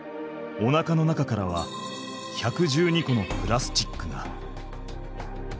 おなかの中からは１１２個のプラスチックが。